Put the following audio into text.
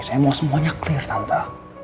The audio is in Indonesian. saya mau semuanya clear tanpa